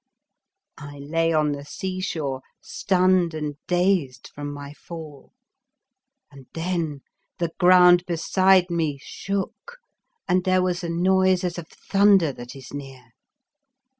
I lay on the sea shore, stunned and dazed from my fall, and then the ground beside me shook and there was a noise as of thunder that is near.